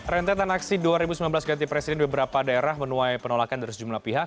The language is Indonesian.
rentetan aksi dua ribu sembilan belas ganti presiden di beberapa daerah menuai penolakan dari sejumlah pihak